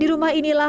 di rumah ini makasih